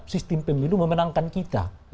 sistem pemilu memenangkan kita